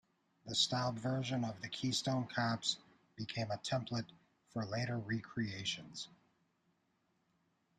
The Staub version of the Keystone Cops became a template for later re-creations.